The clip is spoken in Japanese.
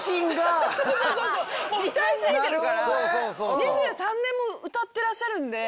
２３年も歌ってらっしゃるんで。